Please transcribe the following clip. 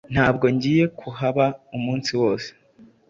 Ntabwo ngiye kuhaba umunsi wose